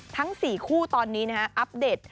ทั้ง๔คู่ตอนนี้อัปเดต